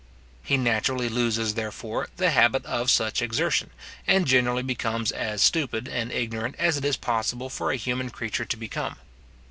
He naturally loses, therefore, the habit of such exertion, and generally becomes as stupid and ignorant as it is possible for a human creature to become.